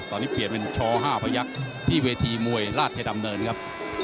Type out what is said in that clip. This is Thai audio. ตอนนี้เปลี่ยนเป็นช๕พยักษ์ที่เวทีมวยราชดำเนินครับ